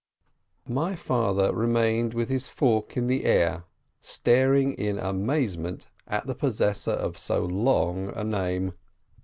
My father remained with his fork in the air, staring in •amazement at the possessor of so long a name.